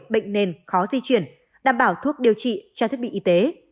bệnh nền khó di chuyển đảm bảo thuốc điều trị cho thiết bị y tế